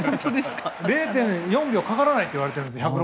０．４秒かからないといわれているんです。